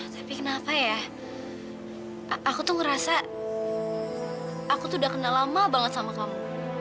tapi kenapa ya aku tuh ngerasa aku tuh udah kenal lama banget sama kamu